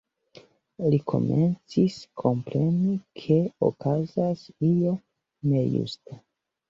Li komencis kompreni, ke okazas io nejusta.